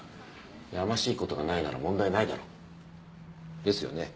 やましい事がないなら問題ないだろ。ですよね？